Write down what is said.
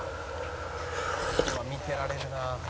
「見てられるな」